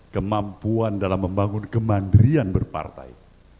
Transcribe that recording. kemampuan dalam membangun kemandirian berpartai